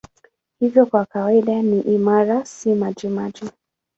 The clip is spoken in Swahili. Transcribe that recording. Hivyo kwa kawaida ni imara, si majimaji.